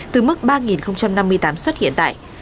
từ mức ba năm mươi tám xuất hiện tại